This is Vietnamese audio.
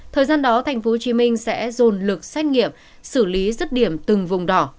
thời gian đó tp hcm sẽ dồn lực xét nghiệm xử lý rứt điểm từng vùng đỏ